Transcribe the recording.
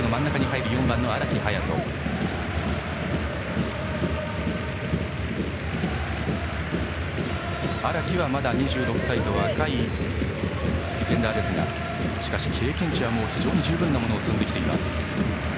スリーバックの真ん中、荒木は２６歳と若いディフェンダーですがしかし経験値は、非常に十分なものを積んできています。